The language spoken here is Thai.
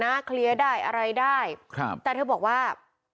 เคลียร์ได้อะไรได้ครับแต่เธอบอกว่า